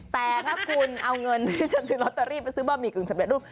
แต่ถ้าคุณเอาเงินที่ฉันซื้อลอตเตอรี่ไปซื้อบะหมี่กึ่งสำเร็จรูป